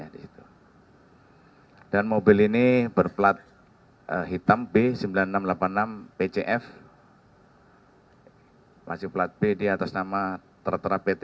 dan mobil ini berplat hitam b sembilan ribu enam ratus delapan puluh enam pcf masih plat b di atas nama tertera pt